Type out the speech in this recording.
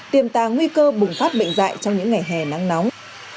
tiềm tàng nguy cơ bùng phát bệnh dạy trong những ngày hè nắng nóng